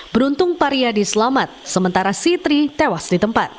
beruntung pariadi selamat sementara sitri tewas di tempat